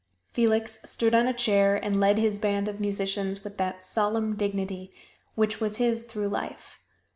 Felix stood on a chair and led his band of musicians with that solemn dignity which was his through life.